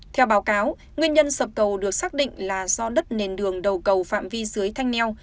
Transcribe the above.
theo báo cáo nguyên nhân sập cầu được xác định là do đất nền đường đầu cầu phạm vi dưới thanh neo